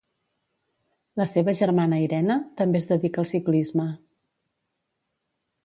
La seva germana Irene també es dedica al ciclisme.